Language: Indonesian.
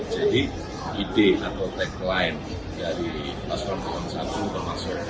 jadi ide atau tagline dari platform delapan puluh satu dan platform dua